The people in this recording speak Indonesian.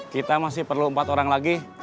kita masih perlu empat orang lagi